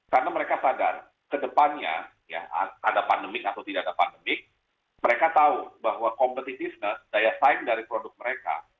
karena mereka sadar kedepannya ya ada pandemi atau tidak ada pandemi mereka tahu bahwa competitiveness daya saing dari produk mereka